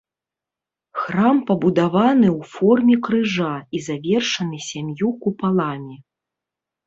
Храм пабудаваны ў форме крыжа і завершаны сям'ю купаламі.